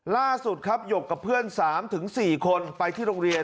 ล่าสุดครับหยกกับเพื่อน๓๔คนไปที่โรงเรียน